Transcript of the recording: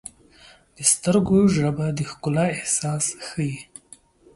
د سترګو ژبه د ښکلا احساس ښیي.